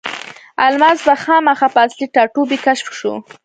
الماس په خاما په اصلي ټاټوبي کې کشف شو.